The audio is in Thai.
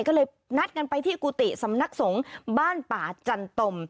ก็เลยนัดกันไปที่กุฏิสำนักสงฆ์บ้านป่าจันตม